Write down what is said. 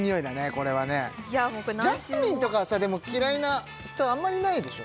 これはねジャスミンとかはさでも嫌いな人あんまりいないでしょ？